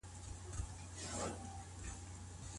آيا هر څوک د طلاق لاملونه څرګندوي؟